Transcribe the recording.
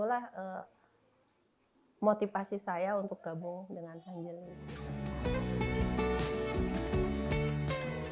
itulah motivasi saya untuk gabung dengan angelina